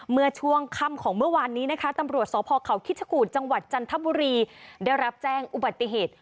เมื่อช่วงค่ำของเมื่อวานนี้นะคะตำรวจสพเขาคิชกูธจังหวัดจันทบุรีได้รับแจ้งอุบัติเหตุ